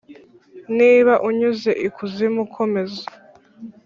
niba unyuze ikuzimu, komeza.